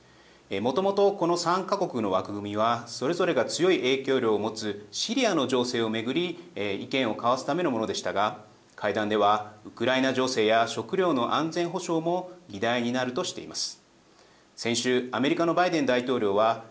もともと、この３か国の枠組みはそれぞれが強い影響力を持つシリアの情勢を巡り意見を交わすためのものでしたが会談では、ウクライナ情勢や食料の安全保障も議題になるとしています。